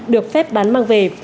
được phép bán mang về